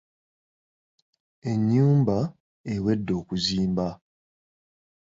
Ennyumba ewedde okuzimba.